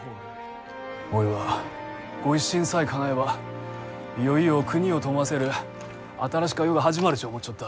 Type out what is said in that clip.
おいは御一新さえかなえばいよいよ国を富ませる新しか世が始まるち思っちょった。